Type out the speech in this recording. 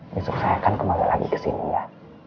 besok saya akan kembali lagi ke sini ya